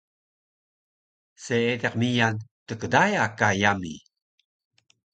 Seediq miyan Tgdaya ka yami